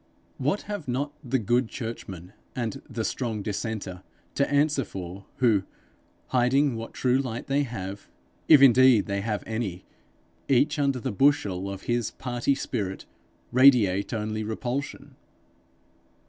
What have not the 'good church man' and the 'strong dissenter' to answer for, who, hiding what true light they have, if indeed they have any, each under the bushel of his party spirit, radiate only repulsion!